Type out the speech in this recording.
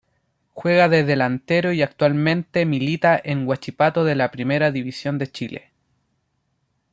Juega de Delantero y actualmente milita en Huachipato de la Primera Division de Chile.